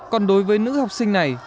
còn đối với nữ học sinh này